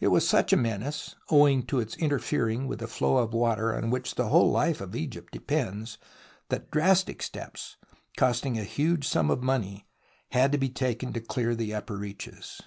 It was such a menace, owing to its interfering with the flow of water on which the whole life of Egypt depends, that drastic steps, costing a huge sum of money, had to be taken to clear the upper reaches.